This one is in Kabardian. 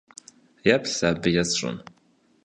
Еплъ сэ абы есщӏэм.